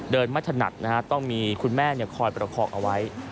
เดินไม่ถนัดนะครับต้องมีคุณแม่คอยประคอกเอาไว้